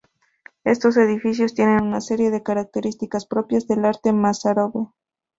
Estos edificios tienen una serie de características propias del arte mozárabe.